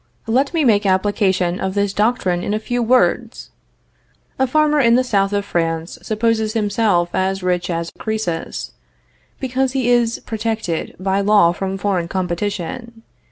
Let me make application of this doctrine in a few words: A farmer in the south of France supposes himself as rich as Croesus, because he is protected by law from foreign competition.